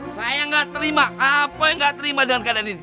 saya nggak terima apa yang gak terima dengan keadaan ini